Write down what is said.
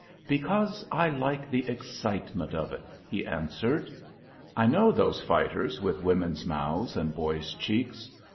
"Because I like the excitement of it," he answered. I know those fighters with women's mouths and boys' cheeks.